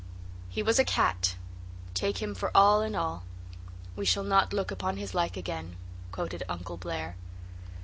"'He was a cat take him for all in all. We shall not look upon his like again,'" quoted Uncle Blair.